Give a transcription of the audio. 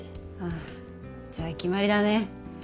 あじゃあ決まりだね。